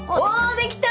できた。